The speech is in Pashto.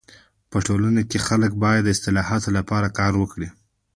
په ټولنه کي خلک باید د اصلاحاتو لپاره کار وکړي.